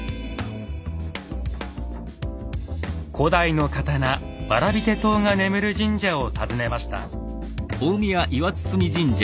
古代の刀蕨手刀が眠る神社を訪ねました。